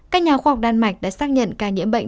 các nhà khoa học đan mạch đã xác nhận ca nhiễm bệnh